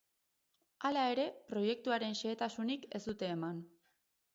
Hala ere, proiektuaren xehetasunik ez dute eman.